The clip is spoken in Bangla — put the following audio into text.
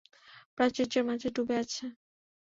প্রাচুর্যের মাঝে ডুবে আছে।